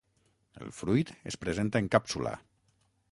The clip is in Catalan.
El fruit es presenta en càpsula.